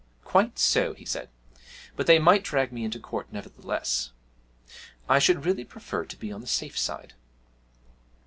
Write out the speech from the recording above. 'Quite so,' he said, 'but they might drag me into court, nevertheless. I should really prefer to be on the safe side.'